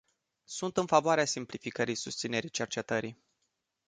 Sunt în favoarea simplificării susținerii cercetării.